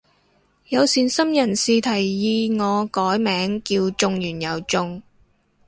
有善心人士提議我改名叫中完又中